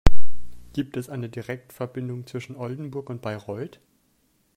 Gibt es eine Direktverbindung zwischen Oldenburg und Bayreuth?